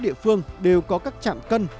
địa phương đều có các trạm cân